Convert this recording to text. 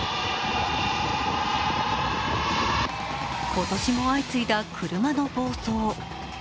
今年も相次いだ車の暴走。